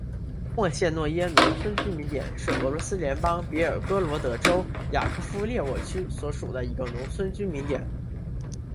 莫谢诺耶农村居民点是俄罗斯联邦别尔哥罗德州雅科夫列沃区所属的一个农村居民点。